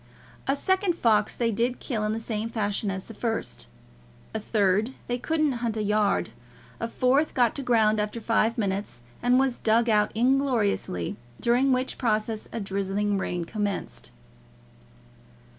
A second fox they did kill in the same fashion as the first; a third they couldn't hunt a yard; a fourth got to ground after five minutes, and was dug out ingloriously; during which process a drizzling rain commenced.